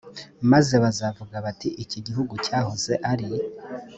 maze bazavuga bati iki gihugu cyahoze ari